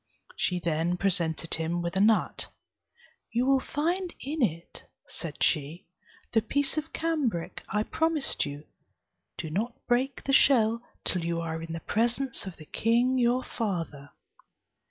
She then presented him with a nut: "You will find in it," said she, "the piece of cambric I promised you. Do not break the shell till you are in the presence of the king your father."